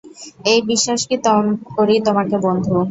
এই বিশ্বাস করি তোমাকে বন্ধু।